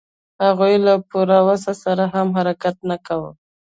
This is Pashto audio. هغوی له پوره وس سره هم حرکت نه کاوه.